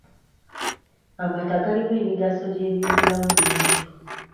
Amata galimu emigaso gy'ebyobulamu mingi.